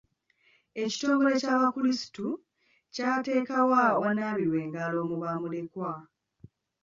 Ekitongole ky'abakulisitu kyateekawo awanaabirwa engalo mu bamulekwa.